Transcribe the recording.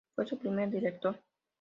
Fue su primer Director.